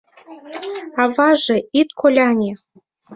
— Аваже, ит коляне.